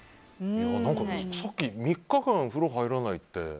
さっき３日間お風呂入らないって。